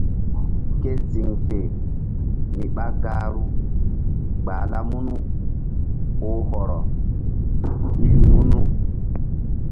Ke ziŋ fe mi ɓa gahru gbahla munu oh hɔrɔ iri munu.